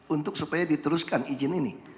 untuk supaya diteruskan izin ini